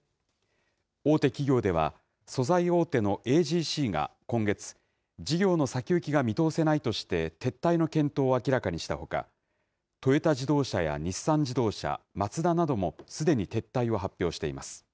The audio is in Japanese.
大手企業では、素材大手のＡＧＣが今月、事業の先行きが見通せないとして、撤退の検討を明らかにしたほか、トヨタ自動車や日産自動車、マツダなども、すでに撤退を発表しています。